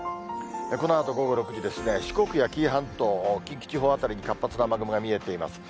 このあと午後６時ですね、四国や紀伊半島、近畿地方辺りに、活発な雨雲が見えています。